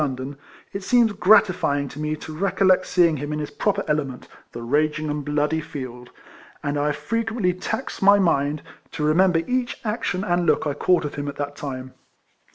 London, it seems gratifying to me to recollect seeing him in his proper element, " the raging and bloody field," and I have frequently taxed my mind to remem G 3 130 KECOLLECTIONS OF ber each action and look I caught of him at that time.